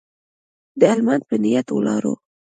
د هلمند په نیت ولاړو.